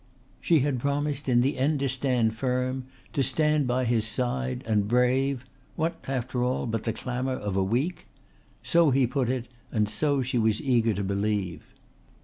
She had promised in the end to stand firm, to stand by his side and brave what, after all, but the clamour of a week? So he put it and so she was eager to believe.